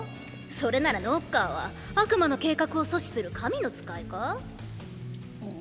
それならノッカーは悪魔の計画を阻止する神の使いか？